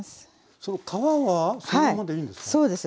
その皮はそのままでいいんですか？